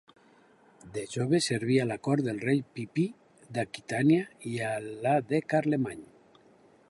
De jove serví a la cort del rei Pipí d'Aquitània i a la de Carlemany.